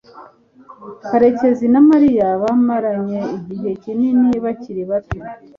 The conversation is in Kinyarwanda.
karekezi na mariya bamaranye igihe kinini bakiri bato